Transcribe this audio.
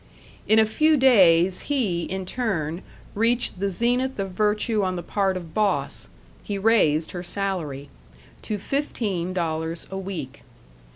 In a few days he, in turn, reached the zenith of virtue on the part of boss he raised her salary. To fifteen dollars a week.